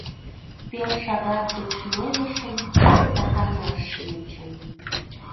Пел шагат гыч нойышым да канаш шинчым.